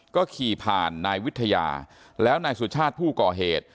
ก็ขี่ผ่านนายวิทยาแล้วนายสุชาติผู้ก่อเหตุ